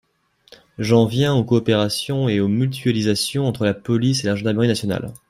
J’en viens aux coopérations et aux mutualisations entre la police et la gendarmerie nationales.